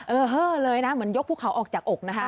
เฮ่อเลยนะเหมือนยกภูเขาออกจากอกนะคะ